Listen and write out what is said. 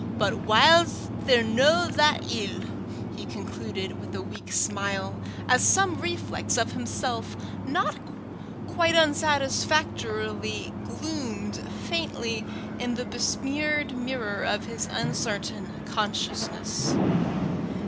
But whiles they're no that ill," he concluded, with a weak smile, as some reflex of himself not quite unsatisfactory gloomed faintly in the besmeared mirror of his uncertain consciousness.